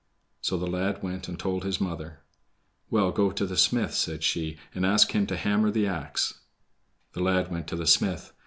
So the lad went and told his mother. "Well, go to the smith," said she, "and ask him to hammer the ax." The lad went to the smith.